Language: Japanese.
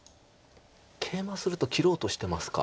ケイマすると切ろうとしてますか。